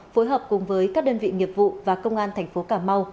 phối hợp cùng với các đơn vị nghiệp vụ và công an thành phố cà mau